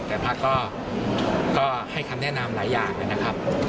แต่พักก็ให้คำแนะนำหลายอย่างนะครับ